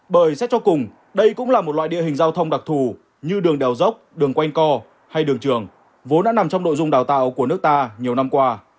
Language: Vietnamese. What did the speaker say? bởi xét cho cùng đây cũng là một loại địa hình giao thông đặc thù như đường đèo dốc đường quanh co hay đường trường vốn đã nằm trong nội dung đào tạo của nước ta nhiều năm qua